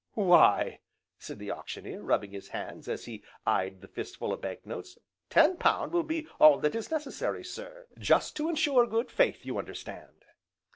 "Why," said the Auctioneer, rubbing his hands as he eyed the fistful of bank notes, "ten pound will be all that is necessary, sir, just to ensure good faith, you understand."